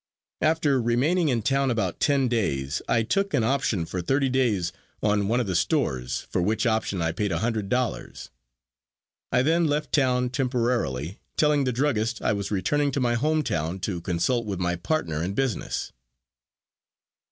After remaining in town about ten days, I took an option for thirty days on one of the stores, for which option I paid a hundred dollars. I then left town temporarily, telling the druggist I was returning to my home town to consult with my partner in business.